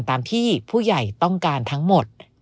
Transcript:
ตามที่ผู้ใหญ่ต้องการทั้งหมด